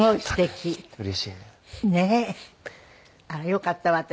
あらよかったわ私。